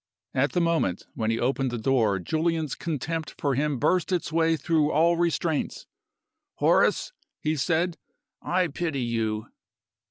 At the moment when he opened the door Julian's contempt for him burst its way through all restraints. "Horace," he said, "I pity you!"